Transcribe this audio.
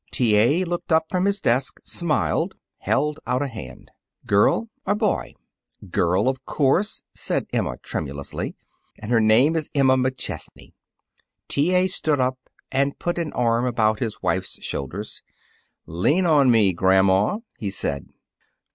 T. A. looked up from his desk, smiled, held out a hand. "Girl or boy?" "Girl, of course," said Emma tremulously, "and her name is Emma McChesney." T. A. stood up and put an arm about his wife's shoulders. "Lean on me, grandma," he said.